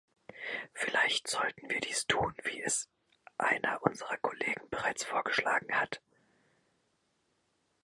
Vielleicht sollten wir dies tun, wie es einer unserer Kollegen bereits vorgeschlagen hat.